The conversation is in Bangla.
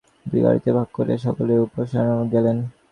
দুই গাড়িতে ভাগ করিয়া সকলে উপাসনালয়ে গেলেন।